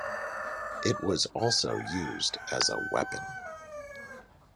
It was also used as a weapon.